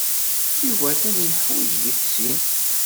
Yuba ad ten-yeḥwij deg sin.